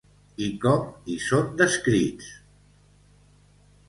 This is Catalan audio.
I com hi són descrits?